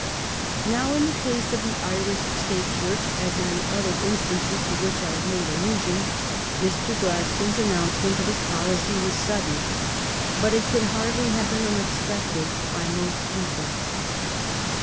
Now, in the case of the Irish State Church, as in the other instances to which I have made allusion, Mr. Gladstone's announce ment of his policy was sudden, but it could hardly have been unexpected by most people.